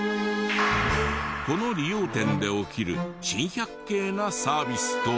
この理容店で起きる珍百景なサービスとは？